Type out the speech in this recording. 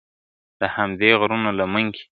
د همدې غرونو لمن کي !.